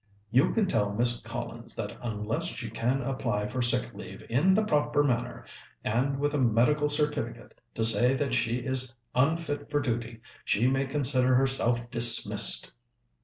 "You can tell Miss Collins that unless she can apply for sick leave in the proper manner, and with a medical certificate to say that she is unfit for duty, she may consider herself dismissed."